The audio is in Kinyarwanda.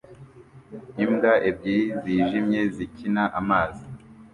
imbwa ebyiri zijimye zikina amazi